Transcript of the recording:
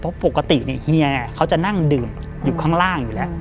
เพราะปกติเนี่ยเฮียเขาจะนั่งดื่มอยู่ข้างล่างอยู่แล้ว